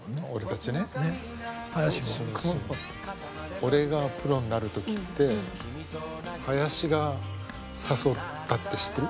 俺がプロになる時って林が誘ったって知ってる？